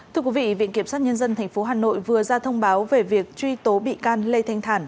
thưa quý vị viện kiểm sát nhân dân tp hà nội vừa ra thông báo về việc truy tố bị can lê thanh thản